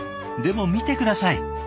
でも見て下さい。